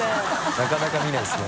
なかなか見ないですね。